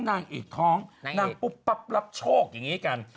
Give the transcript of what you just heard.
นางปุ๊บปับรับโชคอย่างนี้กัน